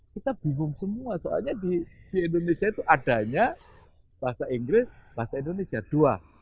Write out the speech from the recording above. kita bingung semua soalnya di indonesia itu adanya bahasa inggris bahasa indonesia dua